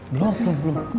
belum belum belum